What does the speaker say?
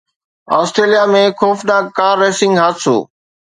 Australia ۾ خوفناڪ car racing حادثو